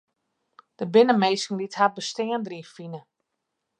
Der binne minsken dy't har bestean deryn fine.